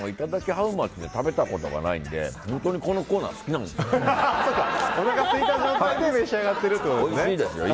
ハウマッチで食べたことがないので本当にこのコーナー好きなんですよね。